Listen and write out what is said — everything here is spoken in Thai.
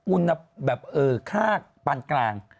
อุณหภาคปานกลาง